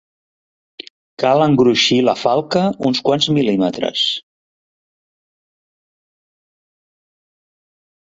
Cal engruixir la falca uns quants mil·límetres.